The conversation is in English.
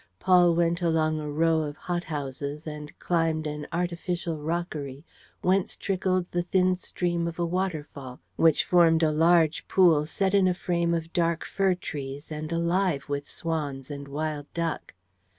Paul went along a row of hot houses and climbed an artificial rockery whence trickled the thin stream of a waterfall which formed a large pool set in a frame of dark fir trees and alive with swans and wild duck.